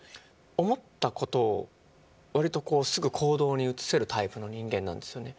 思ったことを割とすぐ行動に移せるタイプの人間なんですよね。